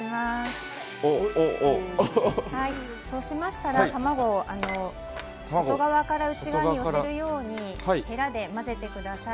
そうしましたら卵を外側から内側に寄せるようにへらで混ぜてください。